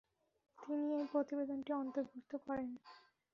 তিনি এই প্রতিবেদনটি অন্তর্ভুক্ত করেন।